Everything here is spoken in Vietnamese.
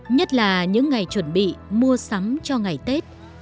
nhất là những ngày chuẩn bị mua sắm cho ngày tết